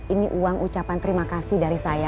ini uang ucapan terima kasih dari saya